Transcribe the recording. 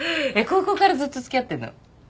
高校からずっと付き合ってるの？